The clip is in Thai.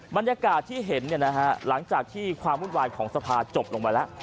บรรยากาศที่เห็นหลังจากที่ความวุ่นวายของสภาจบลงไปแล้ว